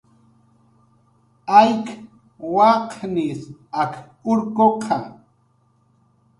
Ayk waqnis ak urkuqa